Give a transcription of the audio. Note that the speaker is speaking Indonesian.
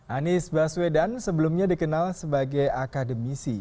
anies baswedan sebelumnya dikenal sebagai akademisi